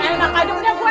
enak aja kayak gue